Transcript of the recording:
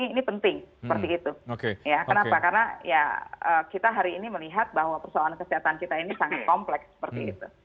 ini penting seperti itu ya kenapa karena ya kita hari ini melihat bahwa persoalan kesehatan kita ini sangat kompleks seperti itu